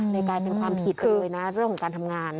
กลายเป็นความผิดเลยนะเรื่องการทำงาน